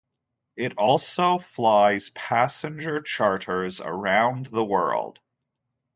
It also flies passenger charters around the world.